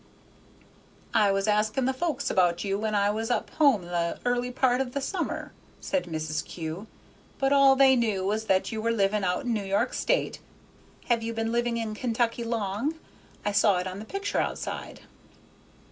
"I was asking the folks about you when I was up home the early part of the summer," said Mrs. Kew, "but all they knew was that you were living out in New York State. Have you been living in Kentucky long? I saw it on the picture outside."